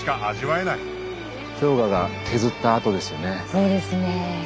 そうですね。